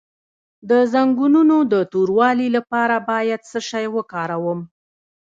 د زنګونونو د توروالي لپاره باید څه شی وکاروم؟